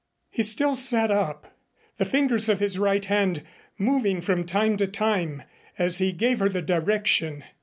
He still sat up, the fingers of his right hand moving from time to time as he gave her the direction.